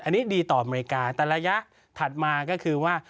อันนี้ดีต่ออเมริกาแต่ระยะถัดมาก็คือว่า